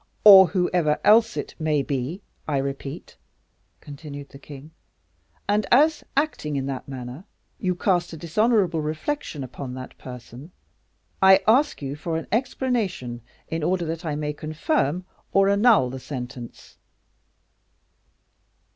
"Or whoever else it may be, I repeat," continued the king; "and as, acting in that manner, you cast a dishonorable reflection upon that person, I ask you for an explanation, in order that I may confirm or annul the sentence."